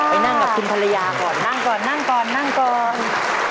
ไปนั่งกับคุณภรรยาก่อนนั่งก่อนนั่งก่อนนั่งก่อน